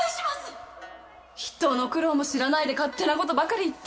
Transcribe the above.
人の苦労も知らないで勝手な事ばかり言って。